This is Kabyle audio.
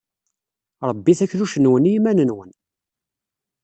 Ṛebbit akluc-nwen i yiman-nwen.